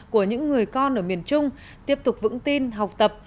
của những người con ở miền trung tiếp tục vững tin học tập